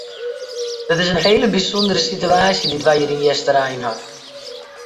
Dat is in hele bysûndere situaasje dy't we hjir yn Easterein ha.